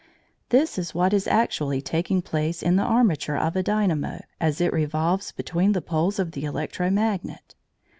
This is what is actually taking place in the armature of a dynamo as it revolves between the poles of the electro magnet.